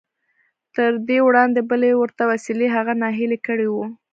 تر دې وړاندې بلې ورته وسیلې هغه ناهیلی کړی و